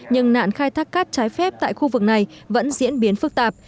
nhưng nạn khai thác cát trái phép tại khu vực này vẫn diễn biến phức tạp